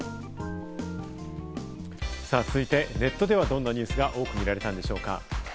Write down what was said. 続いてネットではどんなニュースが多く見られたのでしょうか？